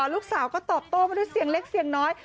ลูกสาวก็ตอบโต้มาด้วยเสียงเล็กเสียงน้อย